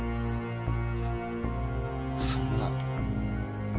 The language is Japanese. そんな。